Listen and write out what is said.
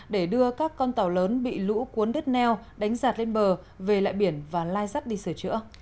để đưa các con tàu lớn bị lũ cuốn đất neo đánh giạt lên bờ về lại biển và lai rắt đi sửa chữa